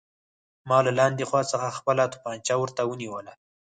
ما له لاندې خوا څخه خپله توپانچه ورته ونیوله